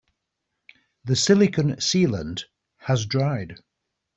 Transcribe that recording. The silicon sealant has dried.